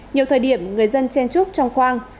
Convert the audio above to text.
nhiều thời điểm người dân chen chúc trong khoang